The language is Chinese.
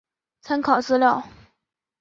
参考资料